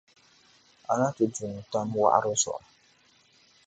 A ni ti du n-tam wɔɣiri zuɣu.